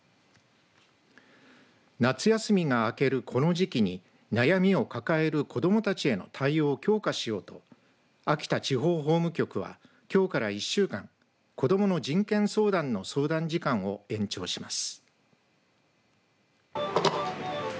夏休みが明けるこの時期に悩みを抱える子どもたちへの対応を強化しようと秋田地方法務局はきょうから１週間こどもの人権相談の相談時間を延長します。